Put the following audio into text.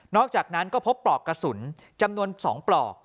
อกจากนั้นก็พบปลอกกระสุนจำนวน๒ปลอก